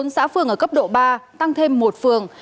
bốn xã phường ở cấp độ ba tăng thêm một phường